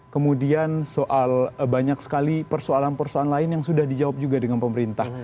kemudian soal banyak sekali persoalan persoalan lain yang sudah dijawab juga dengan pemerintah